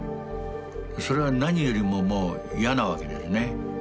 それは何よりももう嫌なわけですね。